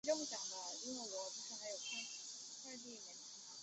一律严格、规范适用我国法律办理